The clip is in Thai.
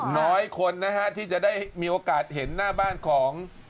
น้อยคนนะฮะที่จะได้มีโอกาสเห็นหน้าบ้านของ